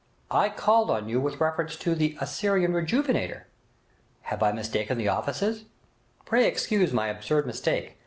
I called on you with reference to the "Assyrian Rejuvenator". Have I mistaken the offices?' 'Pray excuse my absurd mistake!